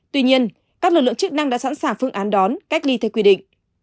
tuy nhiên các lực lượng chức năng đã sẵn sàng phương án đón cách ly theo quy định